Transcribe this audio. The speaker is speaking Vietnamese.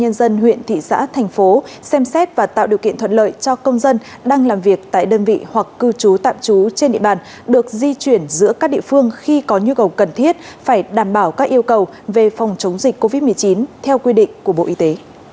nhân dân huyện thị xã thành phố xem xét và tạo điều kiện thuận lợi cho công dân đang làm việc tại đơn vị hoặc cư trú tạm trú trên địa bàn được di chuyển giữa các địa phương khi có nhu cầu cần thiết phải đảm bảo các yêu cầu về phòng chống dịch covid một mươi chín theo quy định của bộ y tế